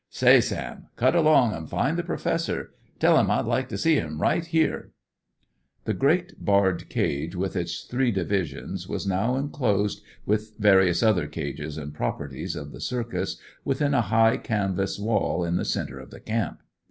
Say, Sam, cut along an' find the Professor. Tell him I'd like to see him right here." The great barred cage, with its three divisions, was now enclosed, with various other cages and properties of the circus, within a high canvas wall in the centre of the camp.